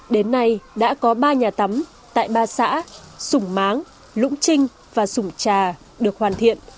đến nay đã có ba nhà tắm tại ba xã sùng máng lũng trinh và sùng trà được hoàn thiện